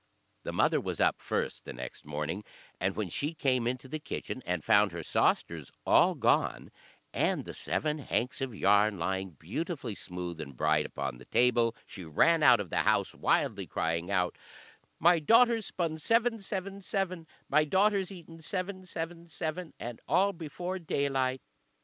The mother was up first the next morning, and when she came into the kitchen and found her sausters all gone, and the seven hanks of yarn lying beautifully smooth and bright upon the table, she ran out of the house wildly, crying out "My daughter's spun seven, seven, seven, My daughter's eaten seven, seven, seven, And all before daylight."